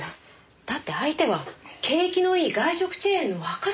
だって相手は景気のいい外食チェーンの若社長です。